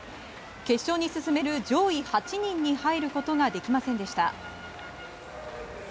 決勝に進める上位８人に入ることができませんでした。